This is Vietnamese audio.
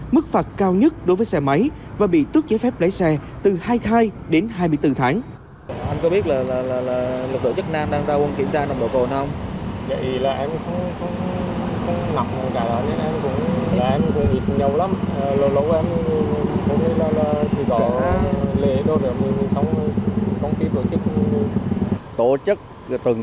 mức phạt cao nhất đối với xe máy và bị tước giấy phép lấy xe từ hai thai đến hai mươi bốn tháng